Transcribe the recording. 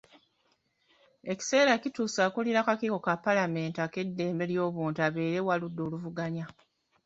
Ekiseera kituuse akulira akakiiko ka Paalamenti ak'eddembe ly'obuntu abeere wa ludda oluvuganya.